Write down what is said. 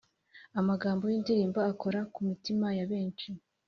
amagambo y’indirimbo akora ku mitima ya benshi.